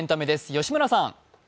吉村さん。